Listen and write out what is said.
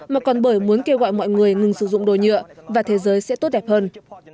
mà còn bởi muốn kêu gọi mọi người ngừng sử dụng đồ nhựa và thế giới sẽ tốt đẹp hơn